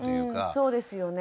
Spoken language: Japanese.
そうですよね。